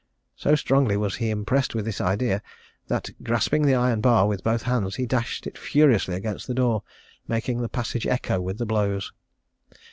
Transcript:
So strongly was he impressed with this idea, that grasping the iron bar with both hands he dashed it furiously against the door, making the passage echo with the blows.